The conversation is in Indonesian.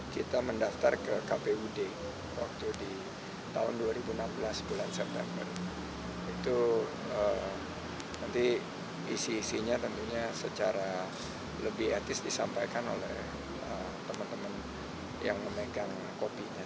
kita mendaftar ke kpud waktu di tahun dua ribu enam belas bulan september itu nanti isi isinya tentunya secara lebih etis disampaikan oleh teman teman yang memegang kopinya